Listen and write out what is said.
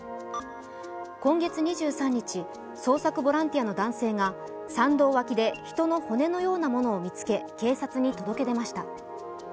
今月２３日、捜索ボランティアの男性が山道脇で、人の骨のようなものを見つけ、警察に届け出ました。